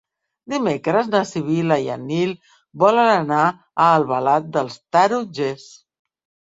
Dimecres na Sibil·la i en Nil volen anar a Albalat dels Tarongers.